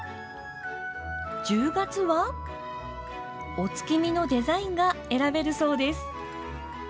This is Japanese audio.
１０月はお月見のデザインが選べるそうです。